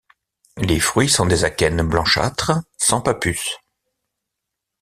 Les fruits sont des akènes blanchâtres, sans pappus.